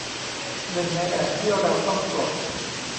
หนึ่งในแอกที่เราต้องปลด